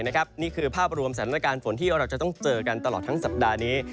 นี่คือภาพรวมสถานการณ์ฝนที่เราจะต้องเจอกันตลอดทั้งสัปดาห์นี้